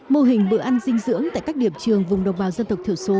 mô hình bữa ăn dinh dưỡng tại các điểm trường vùng đồng bào dân tộc thiểu số